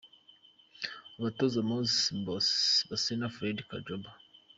Abatoza: Moses Basena , Fred Kajoba.